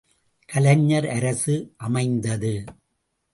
கலைஞர் அரசு, அமைந்தது!